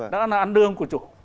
đã là ăn đường của chủ